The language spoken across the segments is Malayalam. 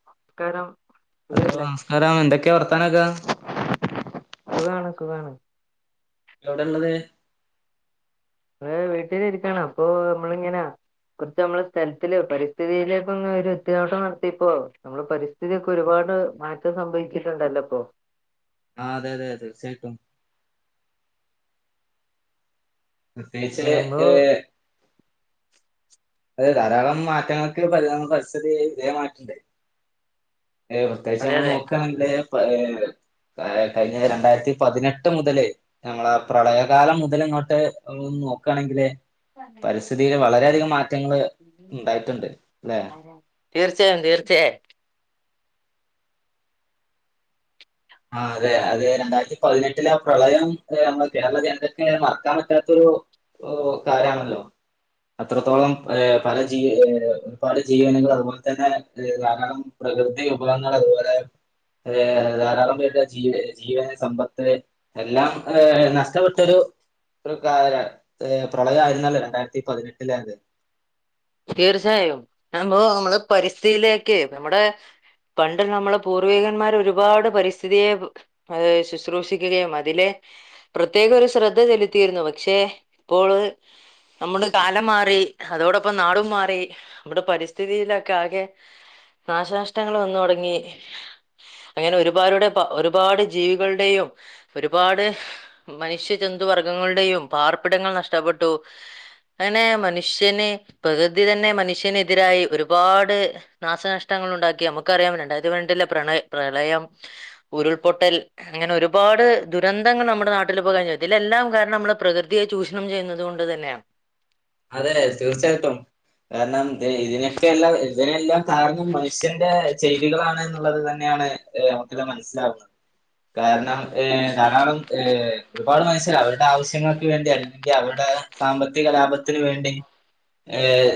[unintelligible] ഹലോ നമസ്കാരം എന്തൊക്കെ വർത്താനൊക്കെ സുഖാണ് സുഖാണ് ഇപ്പെവടെള്ളത് ദേ വീട്ടിലിരിക്കാണ് അപ്പോ നമ്മളിങ്ങനാ കൊർച്ച് നമ്മള് സ്ഥലത്തില് പരിസ്ഥിതിയിലേക്കൊന്ന് ഒരു എത്തിനോട്ടം നടത്തീപ്പോ നമ്മളെ പരിസ്ഥിതിയൊക്കൊരുപാട് മാറ്റം സംഭവിച്ചിട്ട്ണ്ടല്ലോ പ്പൊ ആഹ് അതെ അതെ തീർച്ചയായിട്ടും പ്രത്യേകിച്ച് നമ്മ ഏ അതെ ധാരാളം മാറ്റങ്ങൾക്ക് പരിസ്ഥിതി ഇതേ മാറ്റണ്ട് ഏ പ്രത്യേകിച്ച് അതെ നമ്മള് അതെ നോക്കാണെങ്കില് പ ഏ കയ് കയ്ഞ്ഞ രണ്ടായിരത്തി പതിനെട്ട് മുതല് ഞമ്മളെ പ്രളയകാലം മുതല് ഇങ്ങോട്ട് നോക്കാണെങ്കില് പരിസ്ഥിതില് വളരെയധികം മാറ്റങ്ങള് ഇണ്ടായിട്ട്ണ്ട് ലെ തീർച്ചയായും തീർച്ചയായും ആഹ് അതെ അതെ രണ്ടായിരത്തി പതിനെട്ടില് ആ പ്രളയം എ ഞമ്മളെ കേരള ജനതക്ക് മറക്കാൻ പറ്റാത്തൊരു ഓ കാരാണല്ലോ അത്രത്തോളം ഏ പല ജീ ഒരുപാട് ജീവനുകൾ അതുപോലെ തന്നെ ധാരാളം പ്രകൃതി വിഭവങ്ങൾ അതുപോലെ ഏ ധാരാളം ജീ ജീവന് സമ്പത്ത് എല്ലാം ഏ നഷ്ടപ്പെട്ടൊരു ഒരു കാരാണ് പ്രളയമായിരുന്നല്ലേ രണ്ടായിരത്തി പതിനെട്ടിലെ അത് തീർച്ചയായും നമ്മോ നമ്മള് പരിസ്ഥിയിലേക്ക് നമ്മുടെ പണ്ട് നമ്മളെ പൂർവികന്മാർ ഒരുപാട് പരിസ്ഥിതിയെ ഏ ശുശ്രൂഷിക്കുകയും അതിലെ പ്രത്യേക ഒരു ശ്രദ്ധ ചെലുത്തിയിരുന്നു പക്ഷേ ഇപ്പോള് നമ്മള് കാലം മാറി അതോടൊ പ്പം നാടും മാറി നമ്മടെ പരിസ്ഥിതിയിലൊക്കെ ആകെ നാശനഷ്ടങ്ങൾ വന്ന് തൊടങ്ങി അങ്ങനെ ഒരുപാരുടെ ഒരുപാട് ജീവികളുടെയും ഒരുപാട് മനുഷ്യജന്തു വർഗ്ഗങ്ങളുടെയും പാർപ്പിടങ്ങൾ നഷ്ടപ്പെട്ടു അങ്ങനെ മനുഷ്യന് പ്രകൃതി തന്നെ മനുഷ്യനെതിരായി ഒരുപാട് നാശനഷ്ടങ്ങൾ ഉണ്ടാക്കി നമ്മക്കറിയാം രണ്ടായിരത്തി പതിനെട്ടിലെ പ്രയ പ്രളയം ഉരുൾപൊട്ടൽ അങ്ങനെ ഒരുപാട് ദുരന്തങ്ങൾ നമ്മുടെ നാട്ടിൽപ്പൊ കഴിഞ്ഞു ഇതിലെല്ലാം കാരണം നമ്മളെ പ്രകൃതിയെ ചൂഷണം ചെയ്യുന്നുന്നത് കൊണ്ട് തന്നെയാണ് [inaudible] അതെ തീർച്ചയായിട്ടും കാരണം ഇത് ഇതിനൊക്കെ എല്ലാം ഇതിനെല്ലാം കാരണം മനുഷ്യന്റെ ചെയ്തികളാണ് എന്നുള്ളത് തന്നെയാണ് നമുക്കെല്ലാം മനസ്സിലാവുന്നത് കാരണം ഏഹ് ധാരാളം ഏഹ് ഒരുപാട് മനുഷ്യർ അവരുടെ ആവശ്യങ്ങൾക്ക് വേണ്ടി അല്ലെങ്കി അവരുടെ സാമ്പത്തിക ലാഭത്തിന് വേണ്ടി ഏഹ്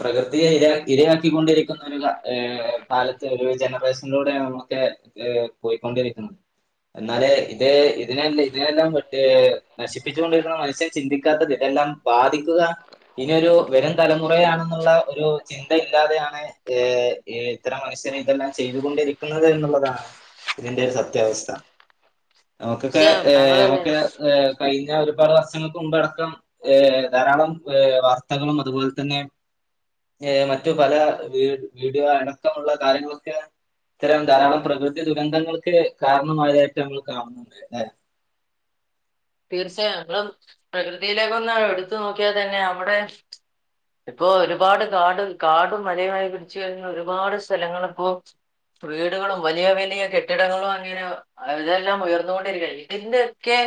പ്രകൃതിയെ ഇ ഇരയാക്കിക്കൊണ്ടിരിക്കുന്ന ഒരു പാലത്തെ കാലത്ത് ഒരു ജനറേഷനിലൂടെ നമുക്ക് പോയിക്കൊണ്ടിരിക്കണ്ട് എന്നാല ഇത് ഇതിനല്ല ഇതിനെല്ലാം മറ്റേ നശിപ്പിച്ചു കൊണ്ടിരിക്കുന്ന മനുഷ്യ ചിന്തിക്കാത്തത് ഇതെല്ലാം ബാധിക്ക ഇനിയോരു വരും തലമുറ ആണെന്നുള്ള ഒരു എന്ത ഇല്ലാതെയാണ് ഏഹ് ഇത്തരം മനുഷ്യർ ഇതെല്ലാം ചെയ്തുകൊണ്ടിരിക്കുന്നത് എന്നുള്ളതാണ് ഇതിന്റെ ഒരു സത്യാവസ്ഥ നമുക്കൊക്കെ തീർച്ചയായും ഏഹ് താങ്കൾ നമുക്ക് ഏഹ് കഴിഞ്ഞ ഒരുപാട് വർഷങ്ങൾക്ക് കൊണ്ടടക്കാം ഏഹ് ധാരാളം ഏഹ് വാർത്തകളും അതുപോലെ തന്നെ ഏഹ് മറ്റു പല വീട് വീട് അടക്കമുള്ള കാര്യങ്ങളൊക്കെ ഇത്തരം ധാരാളം പ്രകൃതി ദുരന്തങ്ങൾക്ക് കാരണമായതായിട്ട് നമ്മൾ കാണുന്നുണ്ട് അല്ലെ തീർച്ചയായും ഞമ്മും പ്രകൃതിയിലേക്ക ഒന്ന് അടുത്തു നോക്കിയാൽ തന്നെ നമ്മടെ ഇപ്പൊ ഒരുപാട് കാട് കാടും മലയുമായി പിടച്ച് കഴിഞ്ഞ ഒരുപാട് സ്ഥലങ്ങളിപ്പോ വീടുകളും വലിയ വലിയ കെട്ടിടങ്ങളും അങ്ങനെ അതെല്ലാം ഉയർന്നു കൊണ്ടിരിക്കുകയാ ഇതിന്റെയൊക്കെ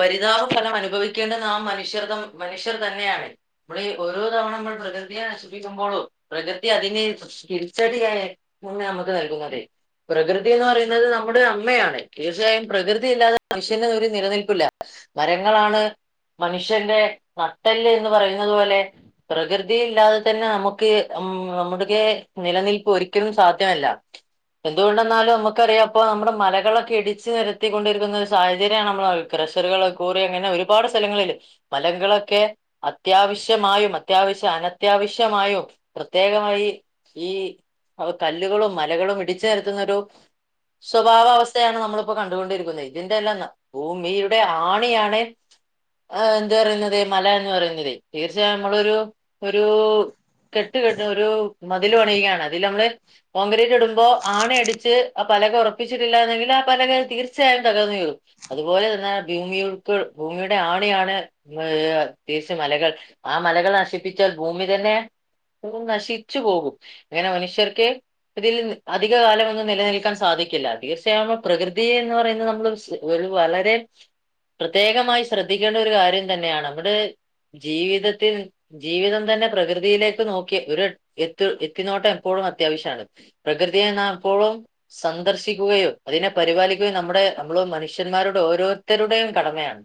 പരിതാപ ഫലം അനുഭവിക്കേണ്ട നാം മനുഷ്യർ മനുഷ്യർ തന്നെയാണ് ഇവിടെ ഓരോ തവണ നമ്മൾ പ്രകൃതിയെസൂപിക്കുമ്പോളോ പ്രകൃതി അതിനെ തിരിച്ചടിയായ മുന്നേ നമുക്ക് നൽകുന്നുന്നതേ പ്രകൃതി എന്ന് പറയുന്നത് നമ്മുടെ അമ്മയാണ് തീർച്ചയായും പ്രകൃതിയില്ലാതെ മനുഷ്യന ഒരു നിലനിൽ പില മരങ്ങളാണ് മനുഷ്യന്റെ നട്ടല് എന്ന് പറയുന്നത് പോലെ പ്രകൃതി ഇല്ലാതെ തന്നെ നമുക്ക് ഉം നമ്മുടെ നിലനിൽപ്പ് ഒരിക്കലും സാധ്യമല്ല എന്തുകൊണ്ടെന്നാലും നമുക്കറിയാം അപ്പ നമ്മുടെ മലകളൊക്കെ ഇടിച്ച് നിരത്തിക്കൊണ്ടിരിക്കുന്ന ഒരു സാഹചര്യമാണ് നമ്മൾ ക്രഷറുകൾ കൂറി അങ്ങനെ ഒരുപാട് സ്ഥലങ്ങളില് മലങ്ങളൊക്കെ അത്യാവശ്യമായും അത്യാവശ്യം അനത്യാവശ്യമായും പ്രത്യേകമായി ഈ കല്ലുകളും മലകളും ഇടിച്ച് നിരത്തുന്നൊരു സ്വഭാവ അവസ്ഥയാണ് നമ്മളിപ്പോ കണ്ടുകൊണ്ടിരിക്കുന്നത് ഇതിന്റെല്ലാംന്നാ ഭൂമി മീടെ ആണിയാണ് ആഹ് എന്ത് പറയുന്നത് മല എന്ന് പറയുന്നത് തീർച്ചയായും നമ്മളൊരു ഒരൂ കെട്ട് കെട്ട ഒരു മതില് പണിയുകയാണ് അതില് നമ്മള് കോൺക്രീറ്റ് ഇടുമ്പോ ആണയടിച്ച് ആ പലക ഉറപ്പിച്ചിട്ടില്ലാ ന്നങ്കിൽ ആ പലക തീർച്ചയായും തകർന്നു വരും അതുപോലെ തന്നെ ഭൂമിക്ക് ഭൂമിയുടെ ആണിയാണ് തീർച്ച മലകൾ ആ മലകൾ നശിപ്പിച്ചാൽ ഭൂമി തന്നെ നശിച്ചു പോകും അങ്ങനെ മനുഷ്യർക്ക് ഇതിൽ അധിക കാലംന്നും നിലനിൽക്കാൻ സാധിക്കില്ല തീർച്ചയായുമൾ പ്രകൃതിയ എന്ന് പറയുന്നത് നമ്മൾ ഒരു വളരെ പ്രത്യേകമായി ശ്രദ്ധിക്കേണ്ട ഒരു കാര്യം തന്നെയാണ് നവിടെ ജീവിതത്തിൽ ജീവിതം തന്നെ പ്രകൃതിയിലേക്ക് നോക്കി ഒരു എത്ത എത്തിനോട്ടം എപ്പോഴും അത്യാവശ്യമാണ് പ്രകൃതിയ എന്നാ ഇപ്പോഴും സന്ദർശിക്കുകയോ അതിനെ പരിപാലിക്കുകയും നമ്മുടെ നമ്മൾ മനുഷ്യന്മാരുടെ ഓരോ ഇത്തരുടെയും കടമയാണ്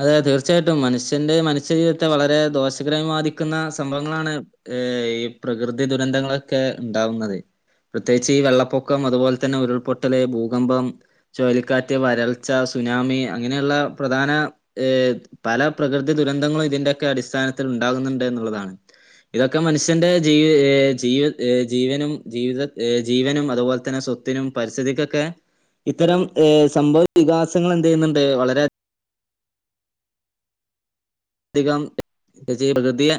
അതെ തീർച്ചയായിട്ടും മനുഷ്യന്റെ മനുഷ്യജീവിതത്തെ വളരെ ദോഷകരമായി ബാധിക്കുന്ന സംഭവങ്ങളാണ് ഏർ ഈ പ്രകൃതി ദുരന്തങ്ങളൊക്കെ ഉണ്ടാവുന്നത് പ്രത്യേകിച്ച് ഈ വെള്ളപ്പൊക്കം അതുപോലെ തന്നെ ഉരുൾപൊട്ടല് ഭൂകമ്പം ചുഴലിക്കാറ്റ്, വരൾച്ച, സുനാമി അങ്ങനെയുള്ള പ്രധാന ഏ പല പ്രകൃതി ദുരന്തങ്ങളും ഇതിന്റോക്കെ അടിസ്ഥാനത്തിൽ ഉണ്ടാകുന്നുണ്ട് എന്നുള്ളതാണ്. ഇതൊക്കെ മനുഷ്യന്റെ ജീ ഏ ജീവ ഏ ജീവനും ജീവിത ഏ ജീവനും അതുപോലെ തന്നെവ സോ ത്തിനും പരിസ്ഥിതിക്കൊക്കെ, ഇത്തരം സംഭവ വികാസങ്ങൾ എന്ത് ചെയ്യുന്നുണ്ട് വളരെ അധികം [inaudible] പ്രകൃതിയ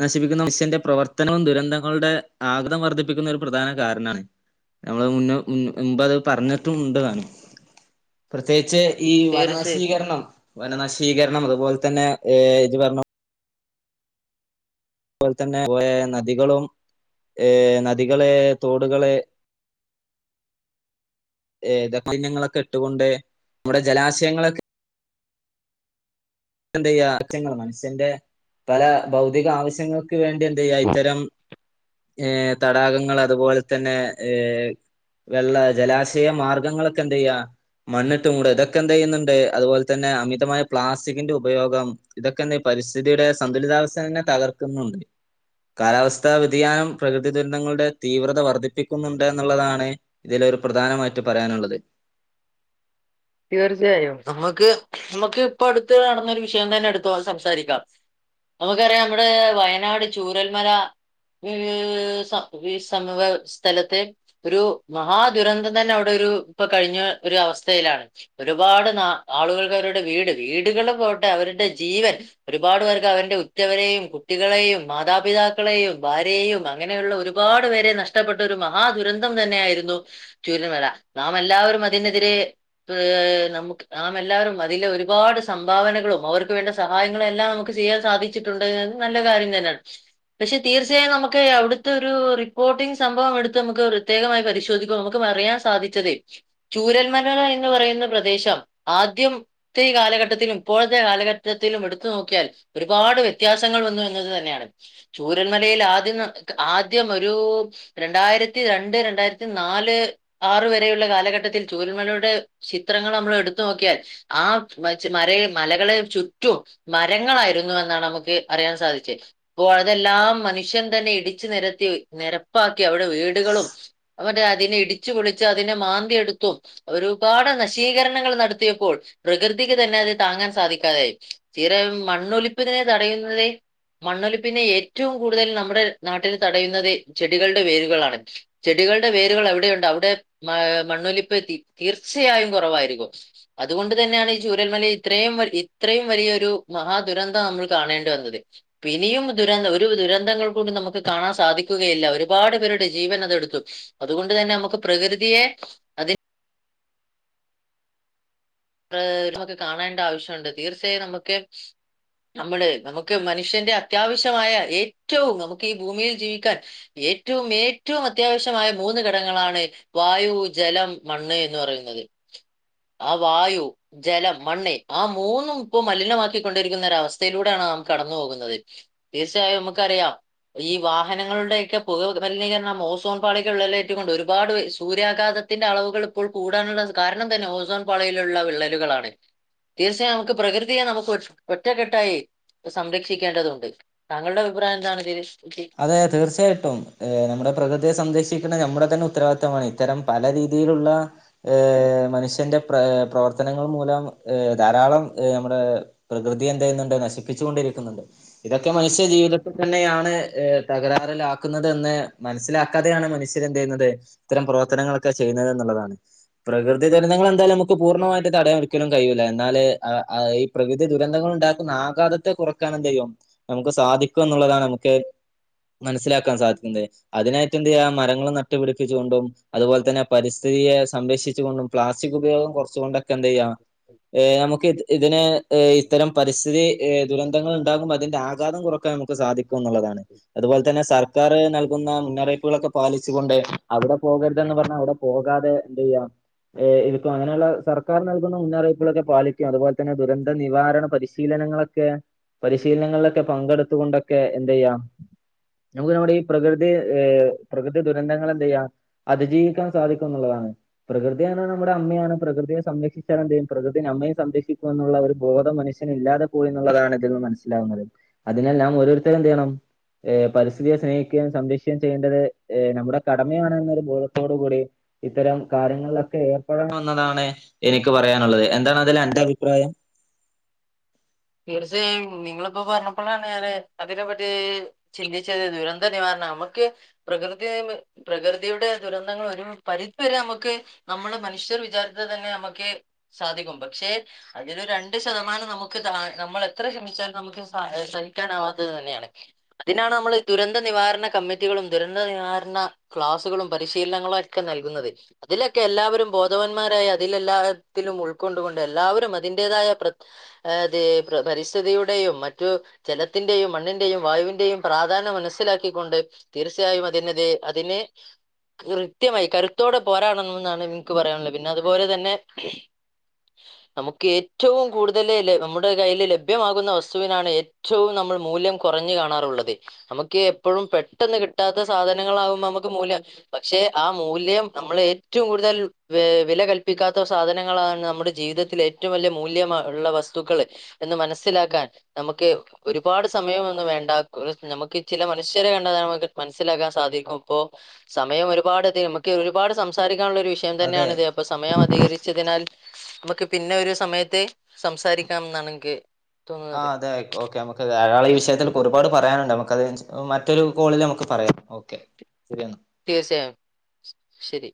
നശിപ്പിക്കുന്ന മനുഷ്യന്റെ പ്രവർത്തനവും ദുരന്തങ്ങളുടെ ആഗതം വർദ്ധിപ്പിക്കുന്ന ഒരു പ്രധാന കാരണമാണ്. നമ്മള് മുന്നേ മുമ്പ് അത് പറഞ്ഞിട്ടും ഉണ്ട് താണും. പ്രത്യേകിച്ച് ഈ വന തീർച്ചയായും നശീകരണം, വന നശീകരണം അതുപോലെ തന്നെ ഇത് പറഞ്ഞു അതുപോലെ തന്നെ പോലെ നദികളും ഏഹ നദികളെ, തോടുകളെ, [unintelligible] മാലിന്യയങ്ങളൊക്കെ ഇട്ടുകൊണ്ട് നമ്മുടെ ജലാശയങ്ങളൊക്കെ [unintelligible] മനുഷ്യന്റെ പല ഭൗതിക ആവശ്യങ്ങൾ വേണ്ടി എന്ത ചെയ്യാ ഇത്തരം ഏ തടാകങ്ങൾ അതുപോലെ തന്നെ ഏ വെള്ള, ജലാശയ മാർഗങ്ങളൊക്കെ എന്തയ്യാ മണ്ണിട്ട് മൂട ഇതൊക്കെ എന്തയ്യുന്നുണ്ട് അതുപോലെ തന്നെ അമിതമായ പ്ലാസ് പ്ലാസ്റ്റിക്കിന്റെ ഉപയോഗം ഇതൊക്കെന്തയ്യാ ഈ പരിസ്ഥിതിയുടെ സന്തുലിതാവസ്ഥ തന്നെ തകർക്കുന്നുണ്ട്. കാലാവസ്ഥാ വ്യതിയാനം പ്രകൃതി ദുരന്തങ്ങളുടെ തീവ്രത വർദ്ധിപ്പിക്കുന്നുണ്ട് എന്നുള്ളതാണ്. ഇതില് ഒരു പ്രധാനമായിട്ട് പറയാനുള്ളത്. തീർച്ചയായും. നമുക്ക് നമുക്ക് ഇപ്പൊ അടുത്ത് നടന്നൊരു വിഷയം തന്നെ എടുതോ സംസാരിക്കാം. നമുക്കറിയാം നമ്മുടെ വയനാട് ചൂരൽമല. [unintelligible] സ്ഥലത്തെ ഒരു മഹാ ദുരന്തം തന്നെ അവിടെ ഒരു ഇപ്പൊ കഴിഞ്ഞ ഒരു അവസ്ഥയിലാണ്. ഒരുപാട് ആളുകൾക്ക് അവരുടെ വീട് വീടുകൾ, പോട്ടെ അവരുടെ ജീവൻ. ഒരുപാട് പേർക്ക് അവന്റെ ഉറ്റവരെയും, കുട്ടികളെയും, മാതാപിതാക്കളെയും, ഭാര്യയെയും, അങ്ങനെയുള്ള ഒരു ഒരുപാട് പേരെ നഷ്ടപ്പെട്ട ഒരു മഹാദുരന്തം തന്നെയായിരുന്നു. ചൂരൽമല. നാം എല്ലാവരും അതിനെതിരെ നാമല്ലാവരും എല്ലാവരും അതിലെ ഒരുപാട് സംഭാവനകളും, അവർക്ക് വേണ്ട സഹായങ്ങളും, എല്ലാം നമുക്ക് ചെയ്യാൻ സാധിച്ചിട്ടുണ്ട്. അത് നല്ല കാര്യം തന്നെയാണ്. പക്ഷെ തീർച്ചയായും നമുക്ക് അവിടുത്തെ ഒരു റിപ്പോർട്ടിംഗ് സംഭവം എടുത്ത് നമുക്ക് പ്രത്യകമായി പരിശോധി നമുക്ക് അറിയൻ സാധിച്ചത് ചൂരൽമല എന്ന് പറയുന്ന പ്രദേശം ആദ്യം ഈ കാലഘട്ടത്തിലും ഇപ്പോഴത്തെ കാലഘട്ടത്തിലും എടുത്തു നോക്കിയാൽ ഒരുപാട് വ്യത്യാസങ്ങൾ വന്നു എന്നത് തന്നെയാണ്. ചൂരൽമലയിൽ ആദ്യം ആദ്യം ഒരു. രണ്ടായിരത്തി രണ്ട്, രണ്ടായിരത്തി നാല്, ആറ്, വരെയുള്ള കാലഘട്ടത്തിൽ ചൂരൽമലയുടെ ചിത്രങ്ങൾ നമ്മൾ എടുത്തു നോക്കിയാൽ ആ മ മല മലകളെ ചുറ്റും മരങ്ങളായിരുന്നു എന്നാണ് നമുക്ക് അറിയാൻ സാധിച്ചത്. അപ്പോ അതെല്ലാം മനുഷ്യൻ തന്നെ ഇടിച്ചു നിരത്തി നിരപ്പാക്കി അവിടെ വീടുകളും, അവർ അതിനെ ഇടിച്ചു പൊളിച്ച്, അതിനെ മാന്തിയെടുത്തും, ഒരു ഒരുപാട് നശീകരണങ്ങൾ നടത്തിയപ്പോൾ, പ്രകൃതിക്ക് തന്നെ അത് താങ്ങാൻ സാധിക്കാതായി, സ്ഥിരം മണ്ണൊലിപ്പിനെ തടയുന്നത് മണ്ണൊലിപ്പിനെ ഏറ്റവും കൂടുതൽ നമ്മുടെ നാട്ടിൽ തടയുന്നത് ചെടികളുടെ വേരുകളാണ്. ചെടികളുടെ വേരുകൾ എവിടെയുണ്ട് അവിടെ മ മണ്ണൊലിപ്പ് തീർച്ചയായും കുറവായിരിക്കും. അതുകൊണ്ട് തന്നെയാണ് ഈ ചൂരൽമല ഇത്രയും ഇത്രയും വലിയൊരു മഹാദുരന്തം നമ്മൾ കാണേണ്ടി വന്നത്. ഇനിയും ദുരന്തം ഒരു ദുരന്തങ്ങൾ കൂടി നമുക്ക് കാണാൻ സാധിക്കുകയില്ല. ഒരുപാട് പേരുടെ ജീവൻ അത് എടുത്തു. അതുകൊണ്ട് തന്നെ നമുക്ക് പ്രകൃതിയെ, അതിന് ഒക്കെ നമ്മുക്ക് കാണേണ്ട ആവശ്യമുണ്ട്. തീർച്ചയായും നമുക്ക് നമ്മള് നമുക്ക് മനുഷ്യന്റെ അത്യാവശ്യമായ ഏറ്റവും നമുക്ക് ഈ ഭൂമിയിൽ ജീവിക്കാൻ ഏറ്റവും ഏറ്റവും അത്യാവശ്യമായ മൂന്ന് ഘടങ്ങളാണ് വായു, ജലം, മണ്ണ് എന്ന് പറയുന്നത്. ആ വായു ജലം മണ്ണ് ആ മൂന്നും ഇപ്പൊ മലിനമാക്കിക്കൊണ്ടിരിക്കുന്ന ഒര അവസ്ഥയിലൂടെയാണ് നാം കടന്നു പോകുന്നത് തീർച്ചയായും നമുക്കറിയാം ഈ വാഹനങ്ങളുടെയൊക്കെ പുക മലിനീകരണം ഓസോൺ പാളിക്വിള്ളലേറ്റ് കൊണ്ട് ഒരുപാട് സൂര്യാഘാത ത്തിന്റെ അളവുകൾ ഇപ്പോൾ കൂടാനുള്ള കാരണം തന്നെ ഓസോൺ പാളിയിലുള്ള വിള്ളലുകളാണ് തീർച്ചയായും നമുക്ക് പ്രകൃതിയെ നമുക്ക് ഒറ്റ് ഒറ്റക്കെട്ടായി സംരക്ഷിക്കേണ്ടതുണ്ട് താങ്കളുടെ അഭിപ്രായം എന്താണ് ഇതിൽ അതെ തീർച്ചയായിട്ടും ഏഹ് നമ്മുടെ പ്രകൃതിയെ സംരക്ഷിക്കണ നമ്മുടെ തന്നെ ഉത്തരവാദിത്തവമാണ് ഇത്തരം പല രീതിയിലുള്ള ഏഹ് മനുഷ്യന്റെ പ്ര പ്രവർത്തനങ്ങൾ മൂലം ഏഹ് ധാരാളം നമ്മുടെ പ്രകൃതി എന്തെയ്യുന്നുണ്ട് നശിപ്പിച്ചു കൊണ്ടിരിക്കുന്നുണ്ട് ഇതൊക്കെ മനുഷ്യ ജീവിതത്തിൽ തന്നെയാണ് തകരാറിലാക്കുന്നുന്നത് എന്ന് മനസ്സിലാക്കാതെയാണ് മനുഷ്യർ എന്തെയ്യുന്നത് ഇത്തരം പ്രവർത്തനങ്ങളൊക്കെ ചെയ്യുന്നത് എന്നുള്ളതാണ് പ്രകൃതി ദുരന്തങ്ങൾ എന്തായാലും നമുക്ക് പൂർണ്ണമായിട്ട് തടയാൻ ഒരിക്കലും കയൂലാ എന്നാല് ആഹ് പ്രകൃതി ദുരന്തങ്ങൾ ഉണ്ടാക്കുന്ന ആഘാതത്തെ കുറക്കാൻ എന്തെയ്യും നമുക്ക് സാധിക്കും എന്നുള്ളതാണ് നമുക്ക് മനസ്സിലാക്കാൻ സാധിക്കുന്നത് അതിനായിട്ട് എന്തെയ്യാ മരങ്ങൾ നട്ടുപിടിപ്പിച്ചു കൊണ്ടും അതുപോലെ തന്നെ പരിസ്ഥിതിയെ സംരക്ഷിച്ചു കൊണ്ടും പ്ലാസ്റ്റിക് ഉപയോഗം കുറച്ചുകൊണ്ടൊക്കെ എന്തയ്യാ ഏഹ് നമുക്ക് ഇതിനെ ഏഹ് ഇത്തരം പരിസ്ഥിതി ഏഹ് ദുരന്തങ്ങൾ ഉണ്ടാകുമ്പോ അതിന്റെ ആഗാതം കുറക്കാൻ നമുക്ക് സാധിക്കും എന്നുള്ളതാണ് അതുപോലെ തന്നെ സർക്കാർ നൽകുന്ന മുന്നറിയിപ്പുകളൊക്കെ പാലിച്ചു കൊണ്ട് അവിടെ പോകരുതെന്ന് പറഞ്ഞാൽ അവിടെ പോകാതെ എന്തെയ്യാ ഏഹ് ഇരിക്കും അങ്ങനെയുള്ള സർക്കാർ നൽകുന്ന മുന്നറിയിപ്പുകളൊക്കെ പാലിക്കുക അതുപോലെ തന്നെ ദുരന്ത നിവാരണ പരിശീലനങ്ങളൊക്കെ ക്ക പരിശീലനങ്ങളിലൊക്കെ പങ്കെടുത്ത്കൊണ്ടൊക്കെ എന്തെയാ നമുക്ക് നമ്മുടെ ഈ പ്രകൃതി ഏഹ് പ്രകൃതി ദുരന്തങ്ങളെ എന്തെയ്യാ അതിജീവിക്കാൻ സാധിക്കും എന്നുള്ളതാണ് പ്രകൃതിയാണ് നമ്മുടെ അമ്മയാണ് പ്രകൃതിയെ സംരക്ഷിച്ചാല് എന്തേയ്യും പ്രകൃതി നമ്മയും സംരക്ഷിക്കും എന്നുള്ള ഒരു ബോധം മനുഷ്യന് ഇല്ലാതെ പോയി എന്നുള്ളതാണ് ഇതിന്ന് മനസ്സിലാവുന്നത് അതിനാൽ നാം ഓരോരുത്തരും എന്തെയ്യണം ഏഹ് പരിസ്ഥിതിയെ സ്നേഹിക്കുകയും സംരക്ഷിക്കുകയും ചെയ്യേണ്ടത് നമ്മുടെ കടമയാണെന്നൊരു ബോധത്തോടു കൂടി ഇത്തരം കാര്യങ്ങളിലൊക്കെ ഏർപ്പെടണണം എന്നതാണ് എനിക്ക് പറയാനുള്ളത് എന്താണ് അതിൽ അന്റെ അഭിപ്രായം തീർച്ചയായും നിങ്ങളിപ്പോ പറഞ്ഞപ്പോളാണ് ഞാന് അതിനെപ്പറ്റി ചിന്തിച്ചത് ദുരന്ത നിവാരണ നമുക്ക് പ്രകൃതി പറയുമ്പോ പ്രകൃതിയുടെ ദുരന്തങ്ങൾ ഒരു പരിതിവരെ നമുക്ക് നമ്മള് മനുഷ്യർ വിചാരിച്ചാൽ തന്നെ നമ്മുക്ക് സാധിക്കും പക്ഷെ അതിനു രണ്ട് ശതമാനം നമുക്ക് ത നമ്മൾ എത്ര ശ്രമിച്ചാലും നമുക്ക് സ സഹിക്കാനാവാത്തത് തന്നെയാണ് അതിനാണ് നമ്മൾ ദുരന്ത നിവാരണ കമ്മിറ്റികളും ദുരന്ത നിവാരണ ക്ലാസ്സുകളും പരിശീലനങ്ങളും ഒക്കെ നൽകുന്നത് അതിലൊക്കെ എല്ലാവരും ബോധവന്മാരായി അതിലെല്ലാത്തിലും ഉൾക്കൊണ്ടു കൊണ്ട് എല്ലാവരും അതിന്റെതായ പ്ര അത് പരിസ്ഥിതിയുടെയും മറ്റു ജലത്തിന്റെയും മണ്ണിന്റെയും വായുവിന്റെയും പ്രാധാന്യം മനസ്സിലാക്കിക്കൊണ്ട് തീർച്ചയായും അതിനതിരെ അതിന് കൃത്യമായി കരുത്തോടെ പോരാടണം എന്നാണ് എനിക്ക് പറയാനുള്ളത് പിന്നെ അതുപോലെ തന്നെ നമുക്ക് ഏറ്റവും കൂടുതല് നമ്മ ടെ കയ്യിൽ ലഭ്യമാകുന്ന വസ്തുവിനാണ്. ഏറ്റവും നമ്മൾ മൂല്യം കുറഞ്ഞ് കാണാറുള്ളത്. നമുക്ക് എപ്പോളും പെട്ടെന്ന് കിട്ടാത്ത സാധനങ്ങളകുമ്പോ നമുക്ക് മൂല്യം. പക്ഷെ ആ മൂല്യം നമ്മൾ ഏറ്റവും. കൂടുതൽ വില കൽപ്പിക്കാത്ത സാധനങ്ങളാണ്. നമ്മുടെ ജീവിത ത്തിൽ ഏറ്റവും വലിയ മൂല്യം ഉള്ള വസ്തുക്കൾ എന്ന് മനസ്സിലാക്കാൻ നമുക്ക്. ഒരുപാട് സമയം ഒന്ന് വേണ്ടാനമുക്ക് ചില മനുഷ്യരെ കണ്ടാതെനെ നമുക്ക് മനസ്സിലാക്കാൻ സാധിക്കും. ഇപ്പോ സമയം ഒരുപാട്ത് നമുക്ക് ഒരുപാട് സംസാരിക്കാനുള്ള ഒരു വിഷ അതെ വിഷയംതന്നെയണിത്. അപ്പ സമയം അധികരിച്ചതിനാൽ നമുക്ക് പിന്നെ ഒരു സമയത്ത് സംസാരി ക്കാം എന്നാണ്നിക്ക് അഹ് അതെ ഒകെ ന്നമ്മ ക്ക് അയാൾ ഈ വിഷയത്തിന്. ഒരുപാട് പറയാനുണ്ട്. നമുക്കത് മറ്റൊരു കോളിൽ നമുക്ക് പറയാം ഓക്കെ. ഒക്കെന്ന തീർച്ചയായും ശരി.